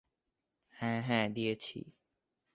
হ্যাঁ, হ্যাঁ, দিয়েছি।